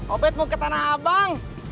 obed mau ke tanah abang